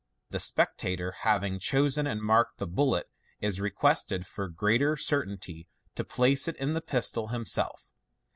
The spectator having chosen and marked the bullet, is requested, for greater certainty, to place it in the pistol him self.